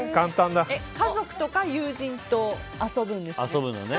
家族とか友人と遊ぶんですよね。